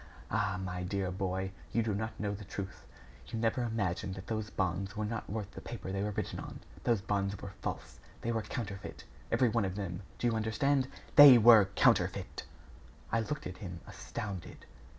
Ah! my dear boy, you do not know the truth. You never imagined that those bonds were not worth the paper they were written on. Those bonds were false they were counterfeit every one of them do you understand? THEY WERE COUNTERFEIT!" I looked at him, astounded.